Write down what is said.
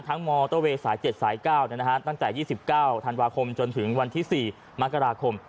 มอเตอร์เวย์สาย๗สาย๙ตั้งแต่๒๙ธันวาคมจนถึงวันที่๔มกราคม